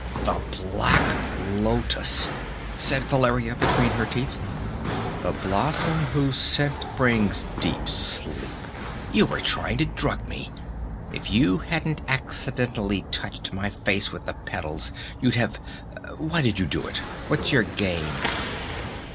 "The black lotus!" said Valeria between her teeth. "The blossom whose scent brings deep sleep. You were trying to drug me! If you hadn't accidentally touched my face with the petals, you'd have why did you do it? What's your game?"